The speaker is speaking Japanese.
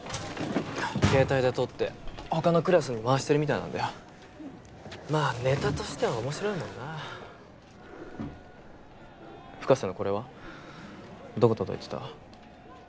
携帯で撮って他のクラスに回してるみたいなんだよまあネタとしては面白いもんな深瀬のこれはどこ届いてた？